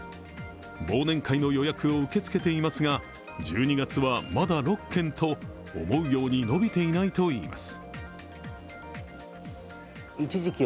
忘年会の予約を受け付けていますが、１２月はまだ６件と思うように伸びていないといいます。